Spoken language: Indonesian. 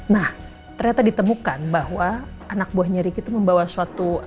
nah ternyata ditemukan bahwa anak buahnya ricky itu membawa suatu